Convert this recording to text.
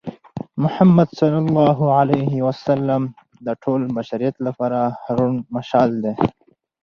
محمد ص د ټول بشریت لپاره روڼ مشال دی.